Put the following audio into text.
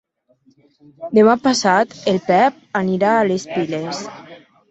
Demà passat en Pep anirà a les Piles.